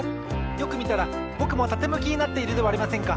よくみたらぼくもたてむきになっているではありませんか！